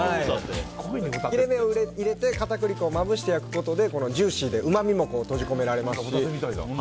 切れ目を入れて片栗粉をまぶして焼くことでジューシーでうまみも閉じ込められますし。